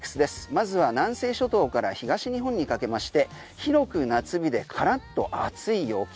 まずは南西諸島から東日本にかけまして広く夏日でカラッと暑い陽気。